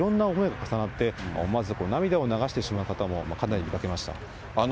そうしていろんな思いが重なって、思わず涙を流してしまう方もかなり見かけました。